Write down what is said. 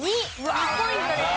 ２ポイントです。